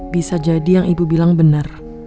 bisa jadi yang ibu bilang benar